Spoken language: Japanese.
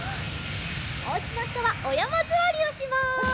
おうちのひとはおやまずわりをします。